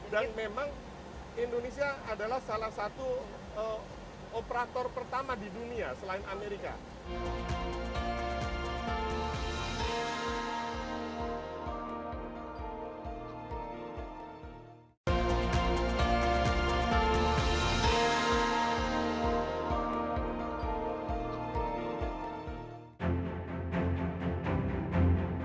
dan memang indonesia adalah salah satu operator pertama di dunia selain amerika